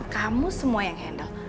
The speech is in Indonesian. kamu semua yang handle